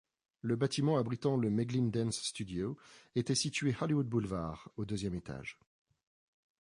Le bâtiment abritant le Meglin Dance Studio était situé Hollywood Boulevard, au deuxième étage.